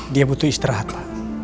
dia butuh istirahat pak